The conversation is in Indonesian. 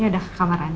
ya udah ke kamar andi